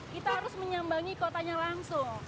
kita harus menyambangi kotanya langsung